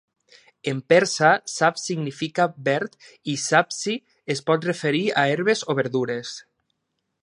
En persa "sabz" significa verd i "sabzi" es pot referir a herbes o verdures.